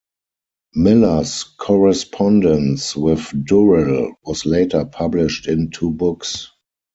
Miller's correspondence with Durrell was later published in two books.